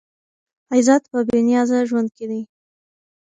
عزت په بې نیازه ژوند کې دی.